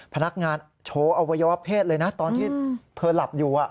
พนักงานโชว์อวัยวะเพศเลยนะตอนที่เธอหลับอยู่